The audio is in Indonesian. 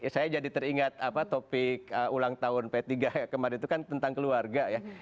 saya jadi teringat topik ulang tahun p tiga kemarin itu kan tentang keluarga ya